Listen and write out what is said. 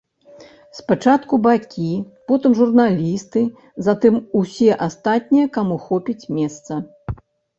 Спачатку бакі, потым журналісты, затым усе астатнія, каму хопіць месца.